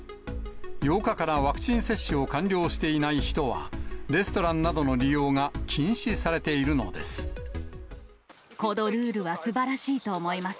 ８日から、ワクチン接種を完了していない人は、レストランなどのこのルールはすばらしいと思います。